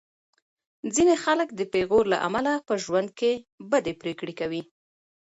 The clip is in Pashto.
ځینې خلک د پېغور له امله په ژوند کې بدې پرېکړې کوي.